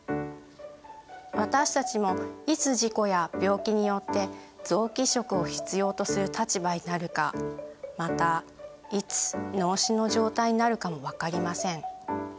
私たちもいつ事故や病気によって臓器移植を必要とする立場になるかまたいつ脳死の状態になるかも分かりません。